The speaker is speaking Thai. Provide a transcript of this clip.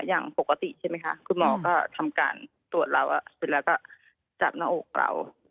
อย่างปกติใช่ไหมคะคุณหมอก็ทำการตรวจเราเสร็จแล้วก็จับหน้าอกเรา